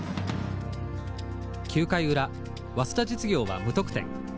９回裏早稲田実業は無得点。